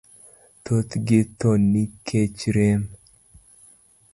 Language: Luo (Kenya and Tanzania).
Thothgi tho nikech rem.